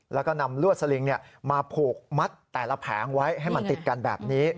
แล้วก็นำลวดสลิงมาผูกมัดแต่ละแผงไว้ให้มันติดกันแบบนี้